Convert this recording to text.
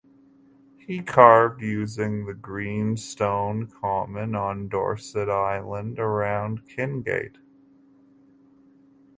He carved using the green stone common on Dorset Island around Kinngait.